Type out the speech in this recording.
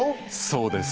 そうです。